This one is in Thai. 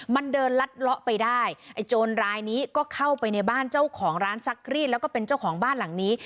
มันเดินลัดเลาะไปได้ไอ้โจรรายนี้ก็เข้าไปในบ้านเจ้าของร้านซักรีดแล้วก็เป็นเจ้าของบ้านหลังนี้